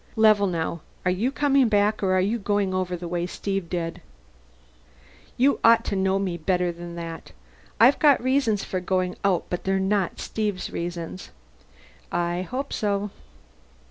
"Level, now: are you coming back or are you going over the way Steve did?" "You ought to know me better than that. I've got reasons for going out, but they're not Steve's reasons." "I hope so."